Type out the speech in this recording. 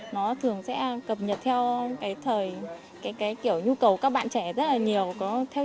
nó thường sẽ cập nhật theo cái thời cái kiểu nhu cầu các bạn trẻ rất là nhiều